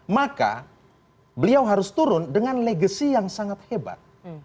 maka beliau harus turun dengan legacy yang sangat hebat